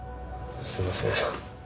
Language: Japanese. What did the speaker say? すみません。